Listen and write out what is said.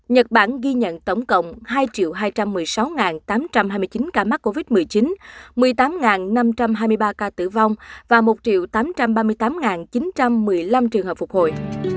nhật bản ghi nhận tổng cộng hai hai trăm một mươi sáu tám trăm hai mươi chín ca mắc covid một mươi chín một mươi tám năm trăm hai mươi ba ca tử vong và một tám trăm ba mươi tám chín trăm một mươi năm trường hợp phục hồi